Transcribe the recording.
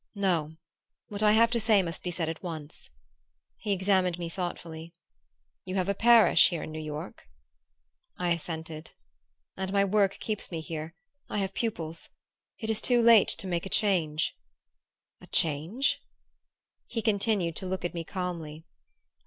"No. What I have to say must be said at once." He examined me thoughtfully. "You have a parish here in New York?" I assented. "And my work keeps me here. I have pupils. It is too late to make a change." "A change?" He continued to look at me calmly.